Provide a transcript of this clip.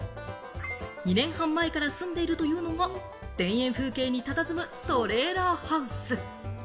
２年半前から住んでいるというのが、風景にたたずむトレーラーハウス。